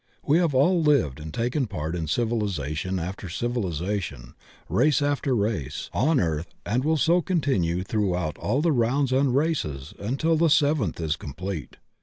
We have all lived and taken part in civilization after civilization, race after race, on earth, and will so continue throughout all the rounds and races imtil the seventh is complete.